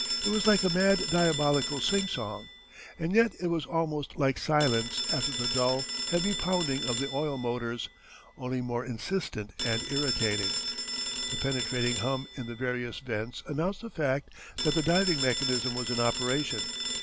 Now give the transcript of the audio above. It was like a mad diabolical singsong. And yet it was almost like silence after the dull, heavy pounding of the oil motors only more insistent and irritating. The penetrating hum in the various vents announced the fact that the diving mechanism was in operation.